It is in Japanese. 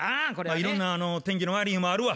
いろんな天気の悪い日もあるわ。